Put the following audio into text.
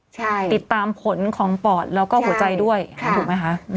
ใช่ติดตามผลของปอดแล้วก็หัวใจด้วยถูกไหมคะ